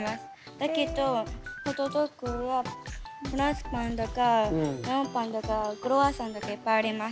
だけどホットドッグやフランスパンとかメロンパンとかクロワッサンとかいっぱいあります。